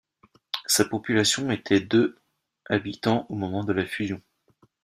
Sa population était de habitants au moment de la fusion.